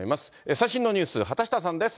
最新のニュース、畑下さんです。